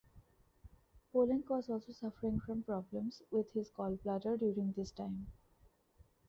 Poulenc was also suffering from problems with his gall bladder during this time.